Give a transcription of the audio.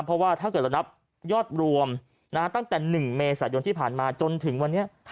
เพราะว่าถ้าเกิดเรานับยอดรวมตั้งแต่๑เมษายนที่ผ่านมาจนถึงวันนี้